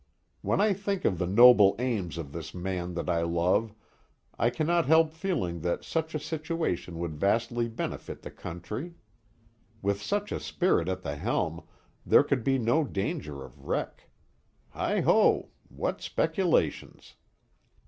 When I think of the noble aims of this man that I love, I cannot help feeling that such a situation would vastly benefit the country. With such a spirit at the helm, there could be no danger of wreck. Heigho! What speculations.